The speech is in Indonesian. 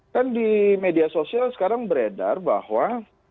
kan di media sosial sekarang beredar bahwa